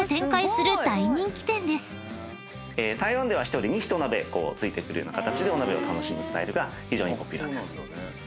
台湾では１人に１鍋付いてくるような形でお鍋を楽しむスタイルが非常にポピュラーです。